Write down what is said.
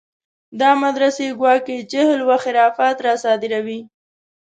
دا مدرسې ګواکې جهل و خرافات راصادروي.